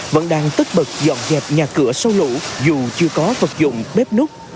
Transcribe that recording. vẫn đang tức bật dọn dẹp nhà cửa sâu lũ dù chưa có vật dụng bếp nút